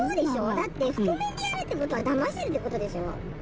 だって、覆面でやるってことは、だましてるってことでしょう。